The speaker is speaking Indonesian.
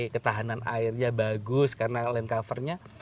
ketahanan airnya bagus karena land covernya